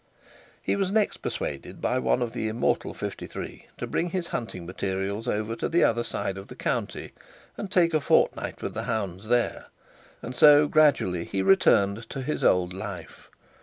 He was next persuaded, by one of the immortal fifty three, to bring his hunting materials over to the other side of the county, and take a fortnight with the hounds there; and so gradually he returned to his old life.